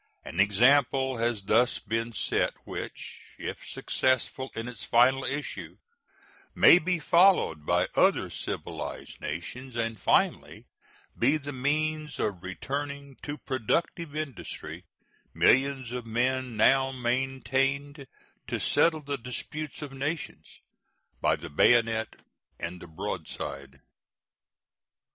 An example has thus been set which, if successful in its final issue, may be followed by other civilized nations, and finally be the means of returning to productive industry millions of men now maintained to settle the disputes of nations by the bayonet and the broadside.